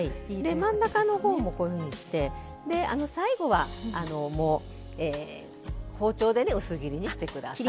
真ん中のほうもこういうふうにして最後は包丁で薄切りにしてください。